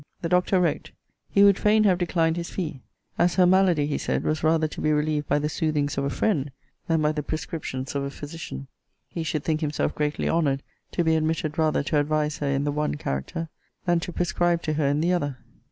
The Doctor wrote. He would fain have declined his fee. As her malady, he said, was rather to be relieved by the soothings of a friend, than by the prescriptions of a physician, he should think himself greatly honoured to be admitted rather to advise her in the one character, than to prescribe to her in the other.